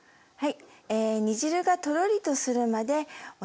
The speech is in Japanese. はい。